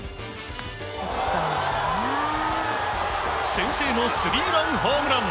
先制のスリーランホームラン！